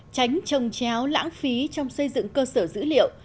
tránh trồng chéo lãng phí trong xây dựng cơ sở dữ liệu